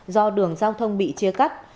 do đường giao thông bị chia cắt